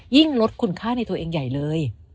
ลดคุณค่าในตัวเองใหญ่เลย